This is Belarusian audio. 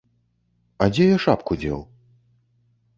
А дзе я шапку дзеў?